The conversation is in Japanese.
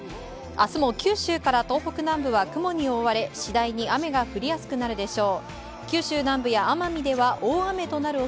明日も、九州から東北南部は雲に覆われ次第に雨が降りやすくなるでしょう。